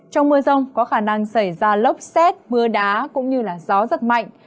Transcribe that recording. trong mưa rông có khả năng xảy ra lốc xét mưa đá cũng như gió rất mạnh